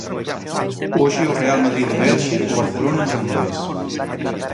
Hoxe o Real Madrid en Elxe, o Barcelona en San Mamés.